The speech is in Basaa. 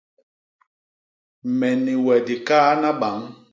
Me ni we di kaana bañ!